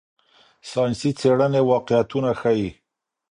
ساینسي څېړنې واقعیتونه ښيي.